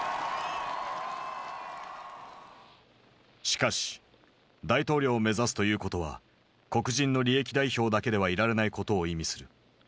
しかし大統領を目指すということは黒人の利益代表だけではいられないことを意味する。